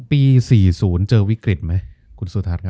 ปี๔๐เจอวิกฤตไหมคุณสุทัศน์ครับ